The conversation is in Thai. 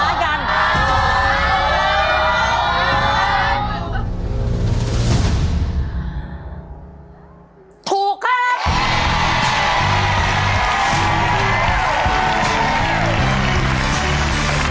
แช่คานหมายถึงเสือนะครับ